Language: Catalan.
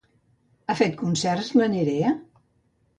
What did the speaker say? Ha fet concerts la Nerea?